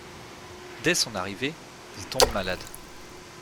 Dès son arrivée, il tombe malade.